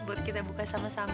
buat kita buka sama sama